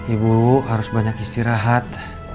ibu harus banyak istirahat